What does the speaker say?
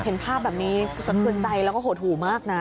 เห็นภาพแบบนี้สะเทือนใจแล้วก็โหดหูมากนะ